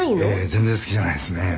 全然好きじゃないですね」